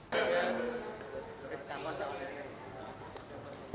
ucapan soal tawaran sejumlah uang